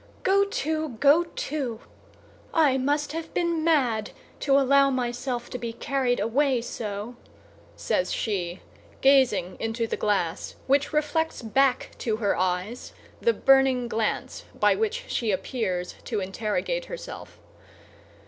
"Go to, go to! I must have been mad to allow myself to be carried away so," says she, gazing into the glass, which reflects back to her eyes the burning glance by which she appears to interrogate herself.